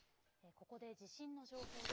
ここで地震の情報です。